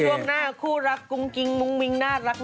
ช่วงหน้าคู่รักกุ้งกิ๊งมุ้งมิ้งน่ารัก